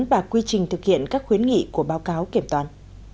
và quy trình thực hiện các khuyến nghị của báo cáo kiểm toán